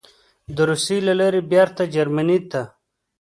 د روسیې له لارې بېرته جرمني ته: